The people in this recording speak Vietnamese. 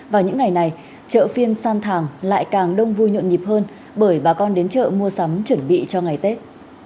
vào những ngày này chợ phiên sang thàng lại càng đông vui nhộn nhịp hơn bởi bà con đến chợ mua sắm chuẩn bị cho ngày tết